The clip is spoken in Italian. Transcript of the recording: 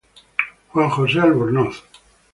Juan José Albornoz